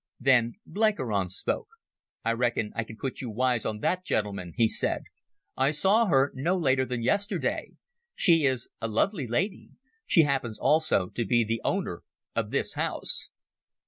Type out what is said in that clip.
Then Blenkiron spoke. "I reckon I can put you wise on that, gentlemen," he said. "I saw her no later than yesterday. She is a lovely lady. She happens also to be the owner of this house."